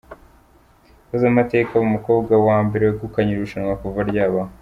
Yakoze amateka aba umukobwa wa mbere wegukanye iri rushanwa kuva ryabaho.